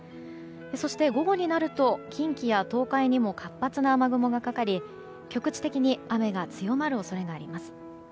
そして午後になると近畿や東海にも活発な雨雲がかかり局地的に雨が強まる恐れがあります。